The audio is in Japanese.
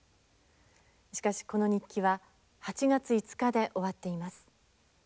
しかしこの日記は８月５日で終わっています。